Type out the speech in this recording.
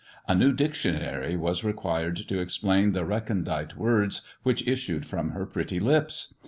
A new dictionary was required to explain the recondite words which issued from her pretty lips.